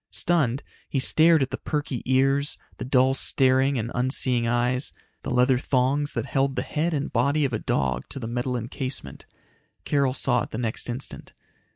Stunned, he stared at the perky ears, the dull staring and unseeing eyes, the leather thongs that held the head and body of a dog to the metal encasement. Carol saw it the next instant.